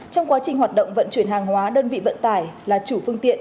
trong quá trình hoạt động vận chuyển hàng hóa đơn vị vận tải là chủ phương tiện